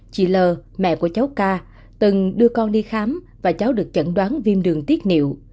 chị l mẹ của cháu ca từng đưa con đi khám và cháu được chẩn đoán viêm đường tiết niệu